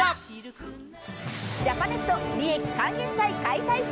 ジャパネット利益還元祭開催中。